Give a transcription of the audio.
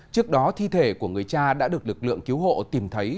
trước đó thi thể của người cha đã được lực lượng cứu hộ tìm thấy